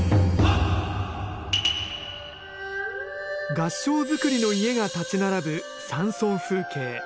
合掌造りの家が立ち並ぶ山村風景。